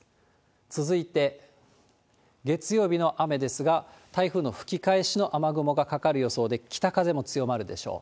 続いて、月曜日の雨ですが、台風の吹き返しの雨雲がかかる予想で、北風も強まるでしょう。